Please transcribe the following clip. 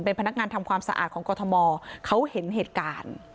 พนักงานทำความสะอาดของกรทมเขาเห็นเหตุการณ์